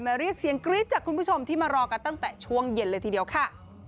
เรียกเสียงกรี๊ดจากคุณผู้ชมที่มารอกันตั้งแต่ช่วงเย็นเลยทีเดียวค่ะ